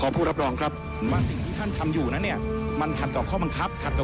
โปรดติดตามต่อไป